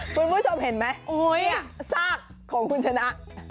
คุณผู้ชมเห็นไหมซากของคุณชนะ